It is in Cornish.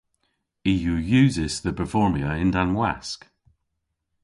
I yw usys dhe berformya yn-dann wask.